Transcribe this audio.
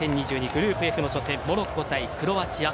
グループＦの初戦モロッコ対クロアチア。